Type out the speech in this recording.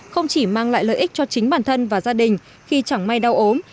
không chỉ mang lại lợi ích cho chính bản thân và gia đình khi chẳng may đau ốm